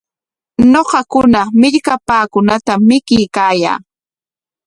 Ñuqakuna millkapaakunatam mikuykaayaa.